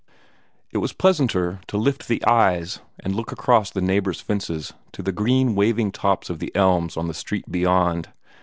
It was pleasanter to lift the eyes, and look across the neighbors' fences to the green, waving tops of the elms on the street beyond.